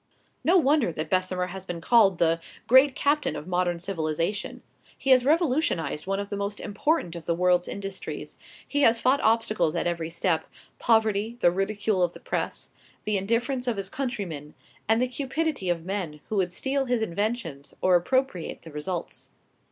No wonder that Bessemer has been called the "great captain of modern civilization." He has revolutionized one of the most important of the world's industries; he has fought obstacles at every step, poverty, the ridicule of the press, the indifference of his countrymen, and the cupidity of men who would steal his inventions or appropriate the results.